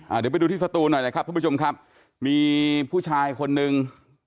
เดี๋ยวไปดูที่สตูนหน่อยนะครับทุกผู้ชมครับมีผู้ชายคนนึง